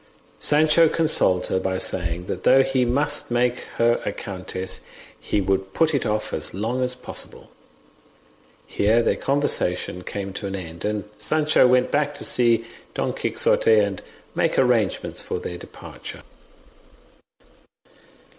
Sancho consoled her by saying that though he must make her a countess, he would put it off as long as possible. Here their conversation came to an end, and Sancho went back to see Don Quixote, and make arrangements for their departure.